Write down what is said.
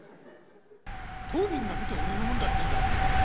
当人が見て俺のもんだってんだ。